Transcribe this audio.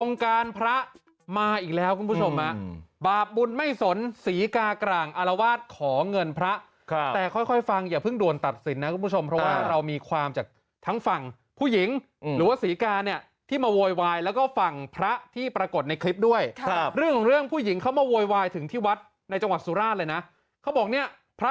การพระมาอีกแล้วคุณผู้ชมบาปบุญไม่สนศรีกากลางอารวาสขอเงินพระแต่ค่อยค่อยฟังอย่าเพิ่งด่วนตัดสินนะคุณผู้ชมเพราะว่าเรามีความจากทั้งฝั่งผู้หญิงหรือว่าศรีกาเนี่ยที่มาโวยวายแล้วก็ฝั่งพระที่ปรากฏในคลิปด้วยครับเรื่องของเรื่องผู้หญิงเขามาโวยวายถึงที่วัดในจังหวัดสุราชเลยนะเขาบอกเนี่ยพระ